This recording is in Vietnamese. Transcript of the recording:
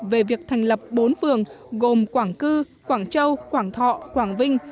về việc thành lập bốn phường gồm quảng cư quảng châu quảng thọ quảng vinh